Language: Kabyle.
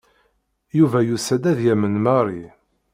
Yuba yusa-d ad yamen Mary.